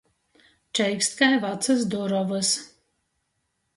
Čeikst kai vacys durovys.